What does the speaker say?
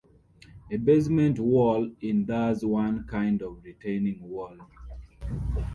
A basement wall is thus one kind of retaining wall.